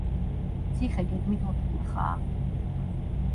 ციხე გეგმით ოთხკუთხაა.